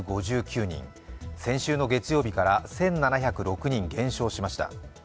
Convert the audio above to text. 先週の月曜日から１７０６人減少しました。